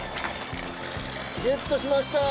ゲットしました。